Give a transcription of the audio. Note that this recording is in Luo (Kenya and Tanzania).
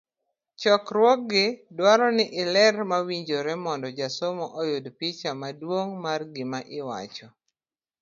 chakruogi dwaro ni iler mawinjore mondo jasomo oyud picha maduong' mar gima iwacho.